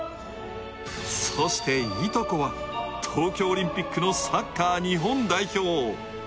そして、いとこは東京オリンピックのサッカー日本代表。